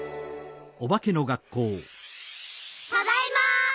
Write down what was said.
ただいま。